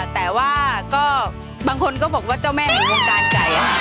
แต่ว่าก็บางคนก็บอกว่าเจ้าแม่แห่งวงการไก่